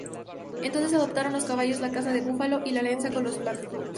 Entonces adoptaron los caballos, la caza del búfalo y la alianza con los blackfoot.